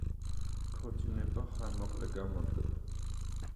ქორწინება ხანმოკლე გამოდგა.